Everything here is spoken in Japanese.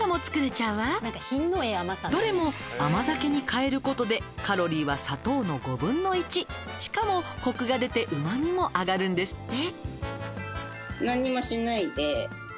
「どれも甘酒に代えることでカロリーは砂糖の５分の１」「しかもコクが出てうま味も上がるんですって」